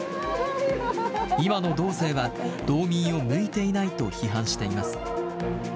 今の道政は、道民を向いていないと批判しています。